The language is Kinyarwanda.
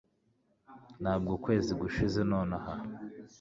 ntabwo ukwezi gushize nonaha